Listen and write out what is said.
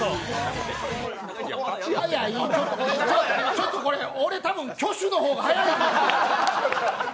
ちょっとこれ、俺たぶん挙手の方が速い。